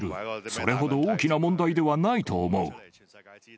それほど大きな問題ではないと思う。